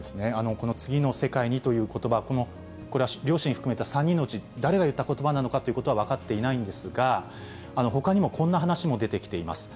この次の世界にということば、これは両親含めた３人のうち、誰が言ったことばなのかというのは分かっていないんですが、ほかにもこんな話も出てきています。